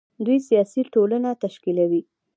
دوی سیاسي ټولنه تشکیلوي.